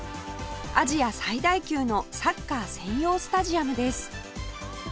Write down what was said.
アジア最大級のサッカー専用スタジアムです